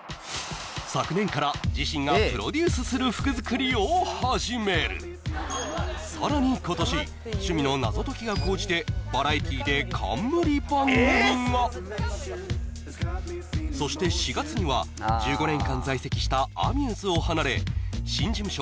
昨年から自身がプロデュースする服作りを始めるさらに今年趣味の謎解きが高じてバラエティで冠番組がそして４月には１５年間在籍したアミューズを離れ新事務所